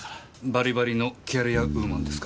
バリバリのキャリアウーマンですか？